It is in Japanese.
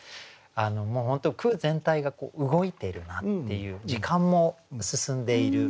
本当に句全体が動いてるなっていう時間も進んでいる。